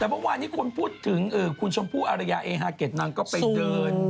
แต่เมื่อวานนี้คนพูดถึงคุณชมพู่อารยาเอฮาเก็ตนางก็ไปเดิน